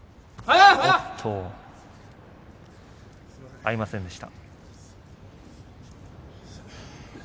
合いませんでした。